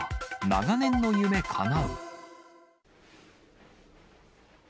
長年の夢かなう。